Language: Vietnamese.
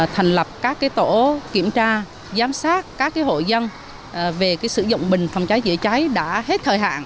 thành lập các tổ kiểm tra giám sát các hội dân về sử dụng bình phòng cháy chữa cháy đã hết thời hạn